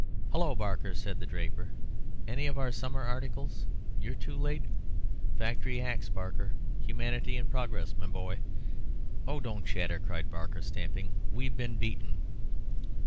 "Hullo, Barker!" said the draper. "Any of our summer articles? You're too late. Factory Acts, Barker. Humanity and progress, my boy." "Oh, don't chatter," cried Barker, stamping. "We've been beaten."